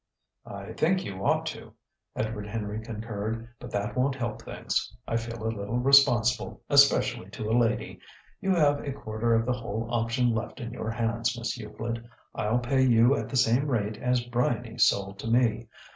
"I think you ought to," Edward Henry concurred. "But that won't help things. I feel a little responsible, especially to a lady. You have a quarter of the whole option left in your hands, Miss Euclid. I'll pay you at the same rate as Bryany sold to me.